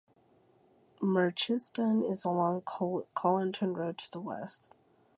Merchiston is along Colinton Road to the west.